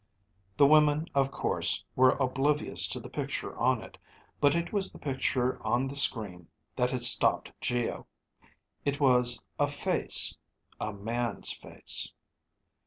The women, of course, were oblivious to the picture on it, but it was the picture on the screen that had stopped Geo. It was a face. A man's face.